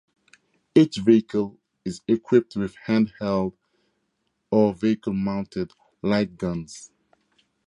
Each vehicle is equipped with hand-held or vehicle-mounted light guns.